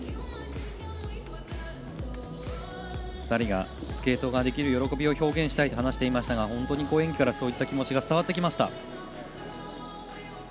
２人が、スケートができる喜びを表現したいと話していましたが本当に演技からそういった気持ちが伝わってきました。